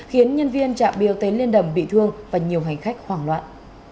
khiến nhân viên trạm biêu tê liên đầm bị thương và nhiều hành khách hoảng loạn